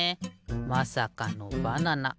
まさかのバナナ。